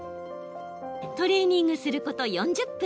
トレーニングすること４０分。